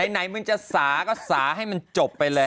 ไหนมึงจะสาก็สาให้มันจบไปเลย